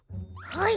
はい！